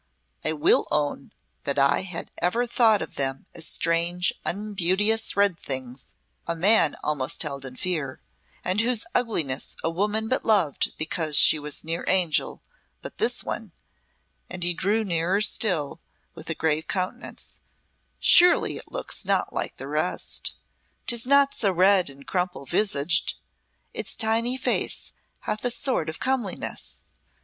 "I will own that I had ever thought of them as strange, unbeauteous red things a man almost held in fear, and whose ugliness a woman but loved because she was near angel; but this one " and he drew nearer still with a grave countenance "surely it looks not like the rest. 'Tis not so red and crumple visaged its tiny face hath a sort of comeliness.